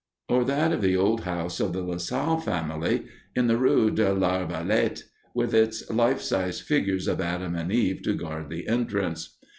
Or that of the old house of the La Salle family, in the rue de l'Arbalète, with its life size figures of Adam and Eve to guard the entrance.